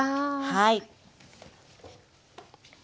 はい。